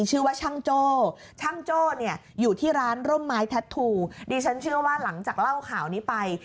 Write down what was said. ชื่อว่าช่างโจ้ช่างโจ้เนี่ยอยู่ที่ร้านร่มไม้แท็ตทูดิฉันเชื่อว่าหลังจากเล่าข่าวนี้ไป